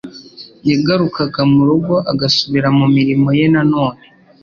Yagarukaga mu rugo agasubira mu mirimo ye nanone,